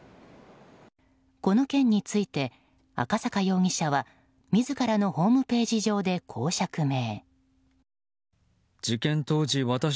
この件について赤坂容疑者は自らのホームページ上でこう釈明。